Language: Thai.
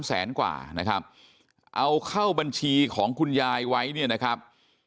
แสนกว่านะครับเอาเข้าบัญชีของคุณยายไว้เนี่ยนะครับ